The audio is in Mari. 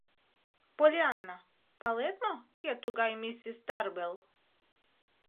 — Поллианна, палет мо, кӧ тугай миссис Тарбел?